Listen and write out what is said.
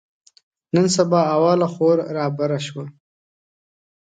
نن سهار اوله خور رابره شوه.